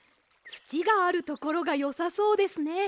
つちがあるところがよさそうですね。